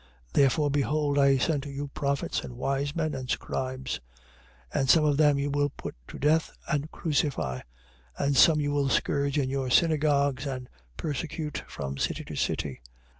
23:34. Therefore behold I send to you prophets and wise men and scribes: and some of them you will put to death and crucify: and some you will scourge in your synagogues and persecute from city to city.